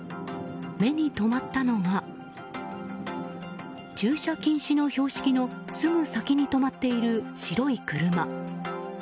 目に留まったのが駐車禁止の標識のすぐ先に止まっている白い車。